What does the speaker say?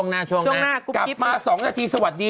เอาช่วงหน้าก่อนก่อน